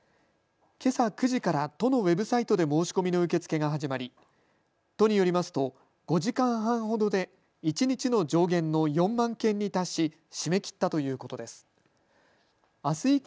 けさ９時から都のウェブサイトで申し込みの受け付けが始まり都によりますと５時間半ほどで一日の上限の４万件に達し締め切ったということです。